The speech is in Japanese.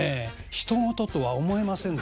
ひと事とは思えませんでした。